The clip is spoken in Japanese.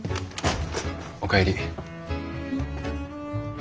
お帰り。